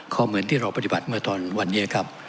ก็เหมือนที่เราปฏิบัติเมื่อตอนวันนี้ครับ